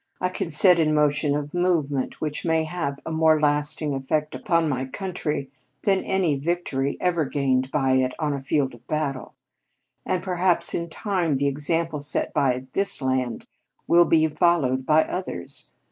I can set in motion a movement which may have a more lasting effect upon my country than any victory ever gained by it on a field of battle; and perhaps in time the example set by this land will be followed by others.